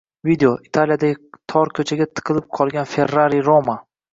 Video: Italiyadagi tor ko‘chaga tiqilib qolgan Ferrari Roma